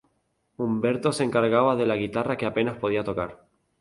Humberto se encargaba de la guitarra que apenas podía tocar.